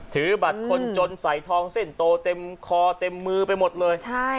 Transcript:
ถือบัตรคนจนใส่ทองเส้นโตเต็มคอเต็มมือไปหมดเลย